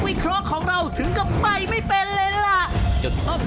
มาฟังเฉลยกันครับ